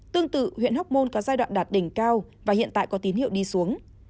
tương tự huyện hóc môn có giai đoạn đạt đỉnh cao và hiện tại có tín hiệu đi xuống